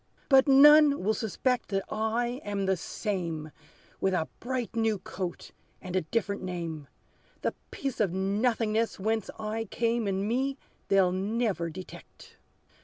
But none will suspect that I am the same; With a bright, new coat, and a different name; The piece of nothingness whence I came In me they'll never detect.